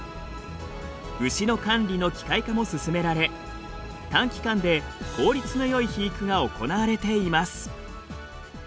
牛の管理の機械化も進められ短期間で効率のよい肥育が行われています。